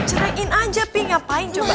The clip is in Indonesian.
ceritain aja pi ngapain coba